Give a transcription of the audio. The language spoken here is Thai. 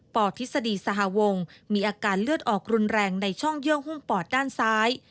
ปทฤษฎีสหวงมีอาการเลือดออกรุนแรงในช่องเยื่อหุ้มปอดด้านซ้าย